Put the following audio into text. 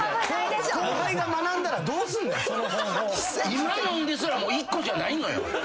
今のですら１個じゃないのよ。